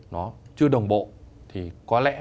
nó chưa đồng bộ thì có lẽ